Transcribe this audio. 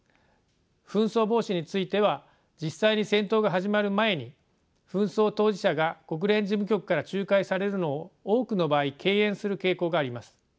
紛争防止については実際に戦闘が始まる前に紛争当事者が国連事務局から仲介されるのを多くの場合敬遠する傾向があります。